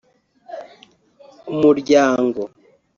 umuryango